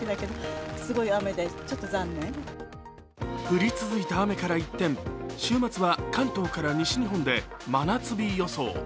降り続いた雨から一転、週末は関東から西日本で真夏日予想。